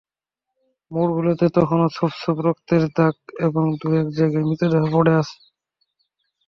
মোড়গুলোতে তখনো ছোপ ছোপ রক্তের দাগ এবং দু-এক জায়গায় মৃতদেহ পড়ে আছে।